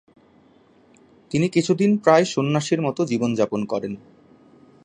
তিনি কিছুদিন প্রায় সন্ন্যাসীর মতো জীবনযাপন করেন।